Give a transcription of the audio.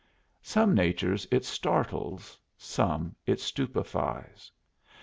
Some natures it startles; some it stupefies.